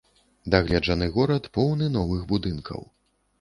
Дагледжаны горад поўны новых будынкаў.